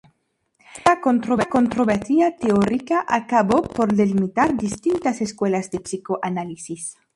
Esta controversia teórica acabó por delimitar distintas escuelas de psicoanálisis.